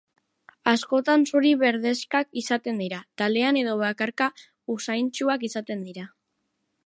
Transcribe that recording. Askotan, zuri-berdaxkak izaten dira, taldean edo bakarka; usaintsuak izaten dira.